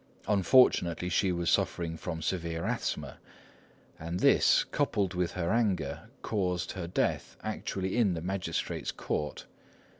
Unfortunately, she was suffering from severe asthma; and this, coupled with her anger, caused her death actually in the magistrate's court.